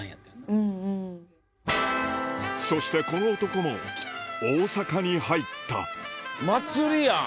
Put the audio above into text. そしてこの男も大阪に入った祭りやん！